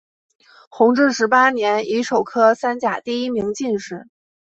弘治十八年乙丑科三甲第一名进士。